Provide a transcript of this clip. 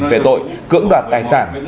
về tội cưỡng đoạt tài sản